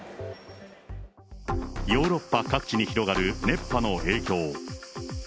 ヨーロッパ各地に広がる熱波の影響。